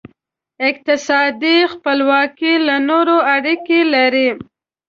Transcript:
اقتصادي خپلواکي له نورو اړیکې لري.